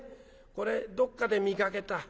これどっかで見かけた。